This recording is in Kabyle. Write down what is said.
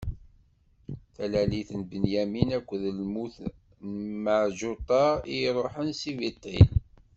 Talalit n Binyamin akked lmut n Meɛǧuṭa i iṛuḥen si Bitil.